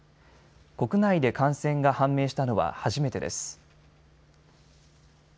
国内で感染が判明したのは初めてです。